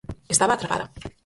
Estaba atrapada.